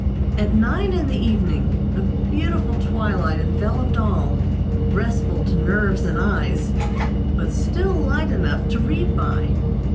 At nine in the evening a beautiful twilight enveloped all, restful to nerves and eyes, but still light enough to read by.